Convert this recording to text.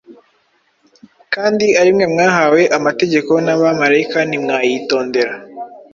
kandi ari mwe mwahawe amategeko n’abamarayika, ntimwayitondera.